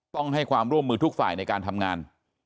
ต้องให้ความร่วมมือทุกฝ่ายในการทำงาน